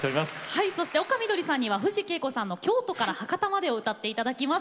はいそして丘みどりさんには藤圭子さんの「京都から博多まで」を歌って頂きます。